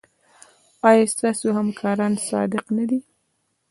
ایا ستاسو همکاران صادق نه دي؟